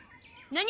何？